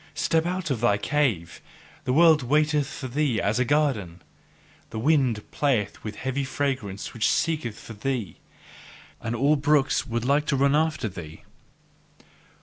Step out of thy cave: the world waiteth for thee as a garden. The wind playeth with heavy fragrance which seeketh for thee; and all brooks would like to run after thee.